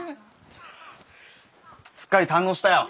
すっかり堪能したよ。